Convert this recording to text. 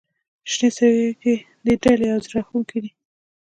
• شنې سترګې د دلې او زړه راښکونکې دي.